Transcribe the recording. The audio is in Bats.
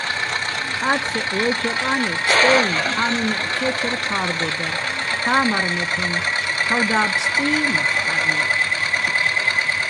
ჰ̦ა́თხეჸ ვაჲ ქვეყა́ნე ფსტე́ინ ჰ̦ამინაჸ ჴე́თერ ქა́რგოდარ: თამარ მეფენ, თავდა́ჼ ფსტი́-მახკარნ.